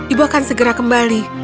ibu akan segera kembali